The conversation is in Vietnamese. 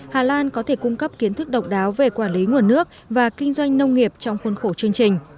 hà lan có thể cung cấp kiến thức độc đáo về quản lý nguồn nước và kinh doanh nông nghiệp trong khuôn khổ chương trình